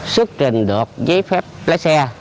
xuất trình được giấy phép lấy xe